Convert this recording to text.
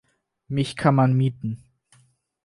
Mich kann man mieten.